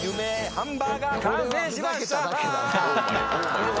ハンバーガー完成しました！